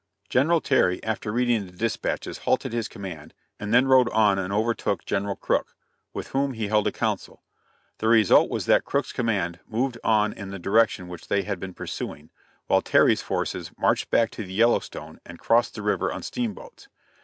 General Terry, after reading the dispatches, halted his command, and then rode on and overtook General Crook, with whom he held a council; the result was that Crook's command moved on in the direction which they had been pursuing, while Terry's forces marched back to the Yellowstone and crossed the river on steamboats.